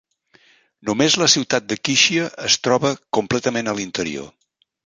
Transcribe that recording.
Només la ciutat de Qixia es troba completament a l'interior.